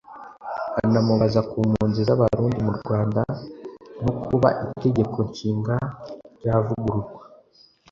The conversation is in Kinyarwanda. anamubaza ku mpunzi z’Abarundi mu Rwanda no ku kuba Itegeko Nshinga ryavugururwa